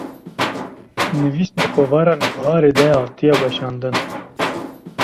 nivîs di kovara Nûbiharê de hatiye weşandin